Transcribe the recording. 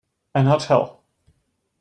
An hotel.